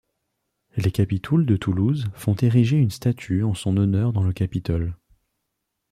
Les capitouls de Toulouse font ériger une statue en son honneur dans le Capitole.